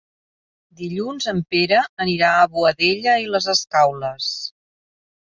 Dilluns en Pere anirà a Boadella i les Escaules.